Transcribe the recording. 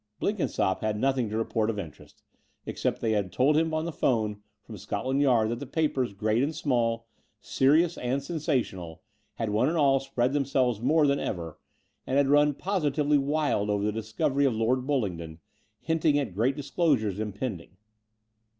Blenkinsopp had nothing to report of interest, except that they told him on the 'phone from Scotland Yard that the papers, great and small, serious and sensational, had one and all spread themselves more than ever, and had run positively wild over the discovery of Lord Bullingdon, hinting at great disclosures impending.